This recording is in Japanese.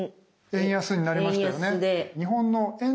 円安になりましたよね。